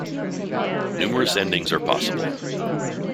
Numerous endings are possible.